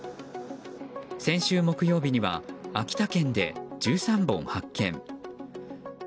先週木曜日には秋田県で１３本、発見。